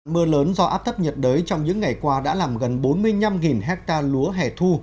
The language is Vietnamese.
mưa lớn do áp thấp nhiệt đới trong những ngày qua đã làm gần bốn mươi năm hectare lúa hẻ thu